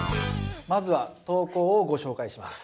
まずは投稿をご紹介します。